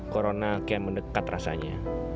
corona kayak mendekat rasanya